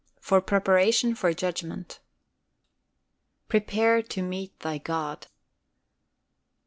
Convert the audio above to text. FOR PREPARATION FOR JUDGMENT. "Prepare to meet thy God."